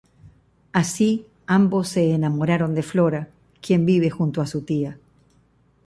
Así, ambos se enamoraron de Flora, quien vive junto a su tía.